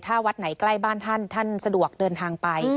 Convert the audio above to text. ถ้าวัดไหนใกล้บ้านท่านท่านสะดวกเดินทางไป